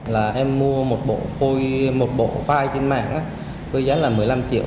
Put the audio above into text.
là em mua một bộ file trên mạng cơ giá là một mươi năm triệu